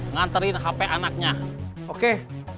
nganterin hp anaknya oke